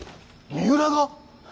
三浦が！